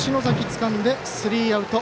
つかんでスリーアウト。